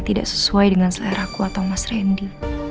tidak sesuai dengan selera ku atau mas randy